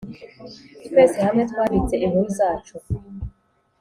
twese hamwe twanditse inkuru zacu.